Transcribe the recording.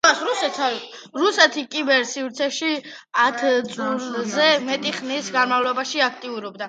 რუსეთი კიბერ-სივრცეში ათწლეულზე მეტი ხნის განმავლობაში აქტიურობდა.